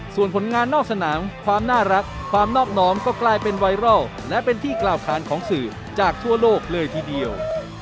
ส่วนผลงานนอกสนามความน่ารักความนอบน้อมก็กลายเป็นไวรัลและเป็นที่กล่าวขานของสื่อจากทั่วโลกเลยทีเดียว